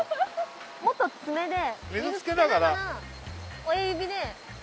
もっと爪で水つけながら親指で。